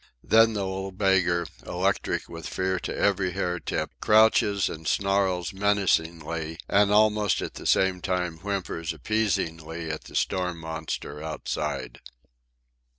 Then the little beggar, electric with fear to every hair tip, crouches and snarls menacingly and almost at the same time whimpers appeasingly at the storm monster outside.